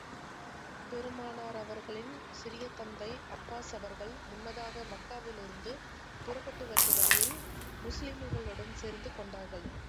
பெருமானார் அவர்களின் சிறிய தந்தை அப்பாஸ் அவர்கள், முன்னதாக மக்காவிலிருந்து புறப்பட்டு வந்து, வழியில் முஸ்லிம்களுடன் சேர்ந்து கொண்டார்கள்.